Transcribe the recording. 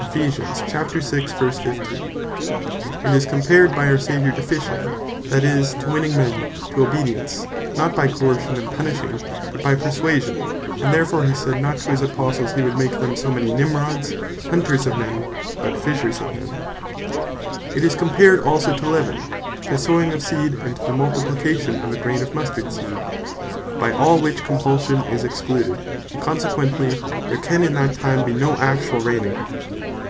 From The Comparison Of It, With Fishing, Leaven, Seed And is compared by our Saviour, to Fishing; that is, to winning men to obedience, not by Coercion, and Punishing; but by Perswasion: and therefore he said not to his Apostles, hee would make them so many Nimrods, Hunters Of Men; But Fishers Of Men. It is compared also to Leaven; to Sowing of Seed, and to the Multiplication of a grain of Mustard seed; by all which Compulsion is excluded; and consequently there can in that time be no actual Reigning.